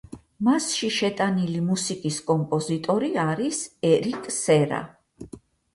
მასში შეტანილი მუსიკის კომპოზიტორი არის ერიკ სერა.